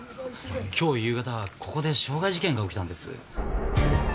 今日夕方ここで傷害事件が起きたんです。